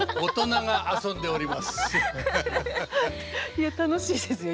いや楽しいですよ